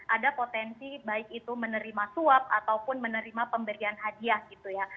ada potensi baik itu menerima suap ataupun menerima pemberian hadiah gitu ya